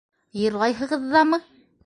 Йырлайһығыҙ ҙамы?